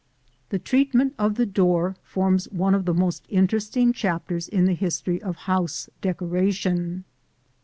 The treatment of the door forms one of the most interesting chapters in the history of house decoration.